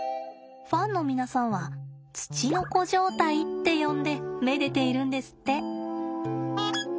ファンの皆さんはツチノコ状態って呼んでめでているんですって。